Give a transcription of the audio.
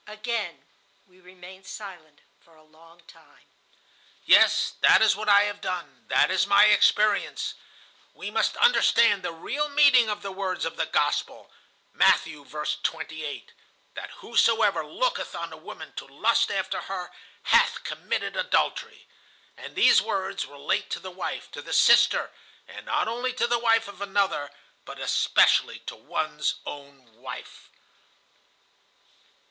Again we remained silent for a long time. "Yes, that is what I have done, that is my experience, We must understand the real meaning of the words of the Gospel,—Matthew, v. 28,—'that whosoever looketh on a woman to lust after her hath committed adultery'; and these words relate to the wife, to the sister, and not only to the wife of another, but especially to one's own wife."